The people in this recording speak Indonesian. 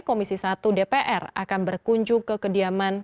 komisi satu dpr akan berkunjung ke kediaman